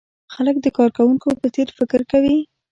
خلک د کارکوونکو په څېر فکر کوي.